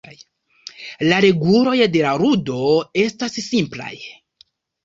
La reguloj de la ludo estas simplaj.